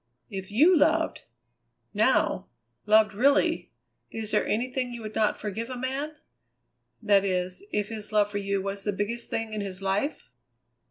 If you loved, now, loved really, is there anything you would not forgive a man? That is, if his love for you was the biggest thing in his life?"